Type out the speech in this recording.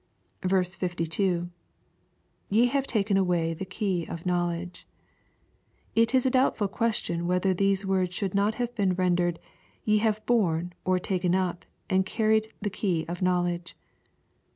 B2. —[ Ye have taken away the key of knowledge.] It is a doubtful question whether these words should not have been rendered " Ye have borne, or taken up, and carried the key of knowledge."